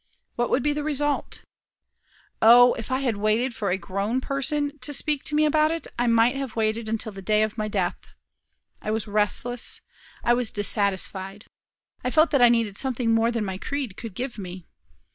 What would be the result? O, if I had waited for a grown person to speak to me about it, I might have waited until the day of my death. I was restless. I was dissatisfied. I felt that I needed something more than my creed could give me.